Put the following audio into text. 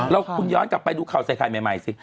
เราคุณย้อนกลับไปดูเขาใส่ใครใหม่ซิ